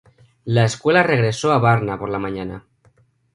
La escuadra regresó a Varna por la mañana.